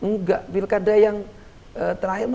nggak pilkada yang terakhir